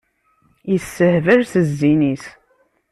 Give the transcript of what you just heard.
Yessehbal s zzin-is.